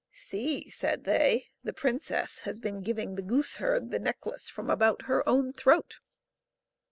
" See," said they, " the princess has been giving the gooseherd the necklace from about her own throat."